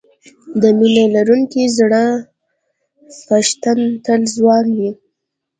د مینه لرونکي زړه څښتن تل ځوان وي.